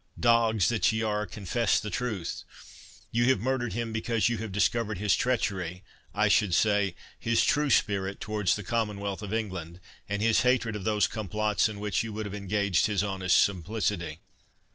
—dogs that ye are, confess the truth—You have murdered him because you have discovered his treachery— I should say his true spirit towards the Commonwealth of England, and his hatred of those complots in which you would have engaged his honest simplicity."